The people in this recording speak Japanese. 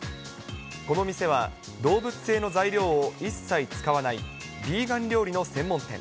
この店は、動物性の材料を一切使わない、ヴィーガン料理の専門店。